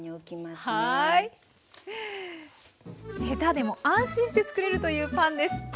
へたでも安心して作れるというパンです。